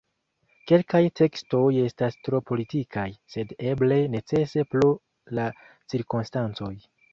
Kelkaj tekstoj estas tro politikaj, sed eble necese pro la cirkonstancoj.